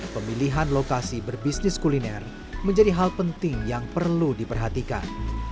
pemilihan lokasi berbisnis kuliner menjadi hal penting yang perlu diperhatikan